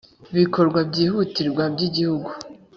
bikorwa byihutirwa by igihugu